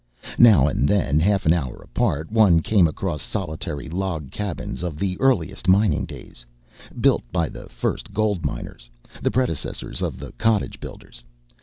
Now and then, half an hour apart, one came across solitary log cabins of the earliest mining days, built by the first gold miners, the predecessors of the cottage builders.